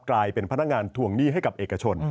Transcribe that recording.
กลายเป็นพนักงานทวงหนี้ให้กับเอกชน